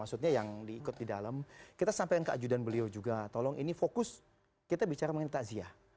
maksudnya yang di ikut di dalam kita sampaikan keajudan beliau juga tolong ini fokus kita bicara mengenai takziah